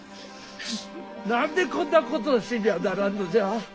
何でこんなことをせにゃならんのじゃ。